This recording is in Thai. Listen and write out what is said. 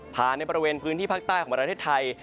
ในบริเวณพื้นที่ภาคใต้ของประเทศไทย